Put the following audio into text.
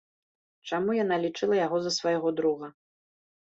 Чаму яна лічыла яго за свайго друга?